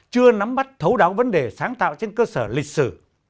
chưa nắm bắt thấu đáo vấn đề sáng tạo trên cơ sở lịch sử